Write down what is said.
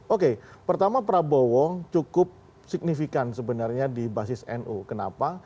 oke pertama prabowo cukup signifikan sebenarnya di basis nu kenapa